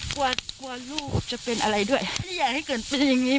กลัวกลัวลูกจะเป็นอะไรด้วยไม่อยากให้เกิดเป็นอย่างนี้